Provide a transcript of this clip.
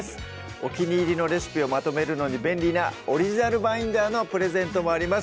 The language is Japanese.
お気に入りのレシピをまとめるのに便利なオリジナルバインダーのプレゼントもあります